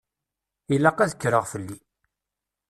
Ilaq ad kkreɣ fell-i.